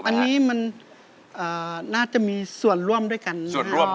อันนี้มันน่าจะมีส่วนร่วมด้วยกันนะครับ